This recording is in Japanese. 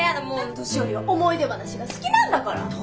もう年寄りは思い出話が好きなんだから。